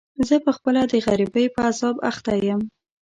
زه په خپله د غريبۍ په عذاب اخته يم.